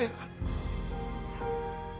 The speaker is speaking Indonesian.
mana yang harus sehat